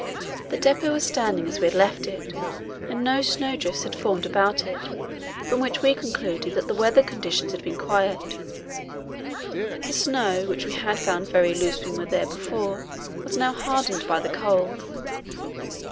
The depot was standing as we had left it, and no snow drifts had formed about it, from which we concluded that the weather conditions had been quiet. The snow, which we had found very loose when we were there before, was now hardened by the cold.